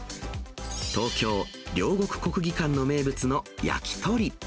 東京・両国国技館の名物の焼き鳥。